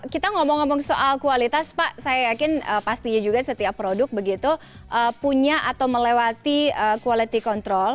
kita ngomong ngomong soal kualitas pak saya yakin pastinya juga setiap produk begitu punya atau melewati quality control